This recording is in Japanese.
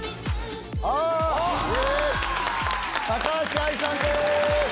高橋愛さんです！